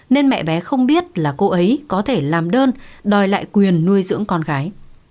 nên mẹ bé không biết là cô ấy có thể làm đơn đòi lại quyền nuôi dưỡng con gái